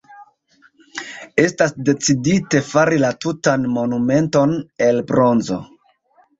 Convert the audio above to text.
Estas decidite fari la tutan monumenton el bronzo.